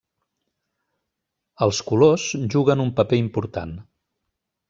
Els colors juguen un paper important.